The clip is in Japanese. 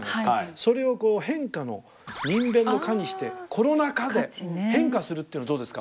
それを変化の人偏の「化」にしてコロナ化で変化するっていうのどうですか？